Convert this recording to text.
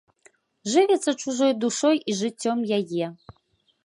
Жывяцца чужой душой і жыццём яе!